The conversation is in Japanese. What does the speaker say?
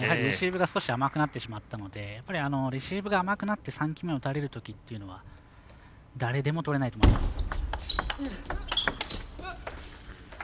レシーブが少し甘くなってしまったのでやっぱりレシーブが甘くなって３球目を打たれるときっていうのは誰でもとれないと思います。